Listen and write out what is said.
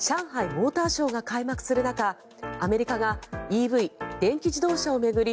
モーターショーが開幕する中アメリカがＥＶ・電気自動車を巡り